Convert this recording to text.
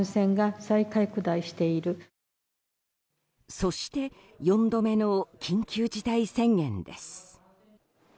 そして４度目の緊急事態宣言です。